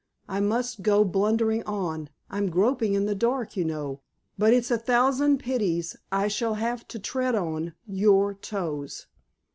I must go blundering on. I'm groping in the dark, you know, but it's a thousand pities I shall have to tread on your toes."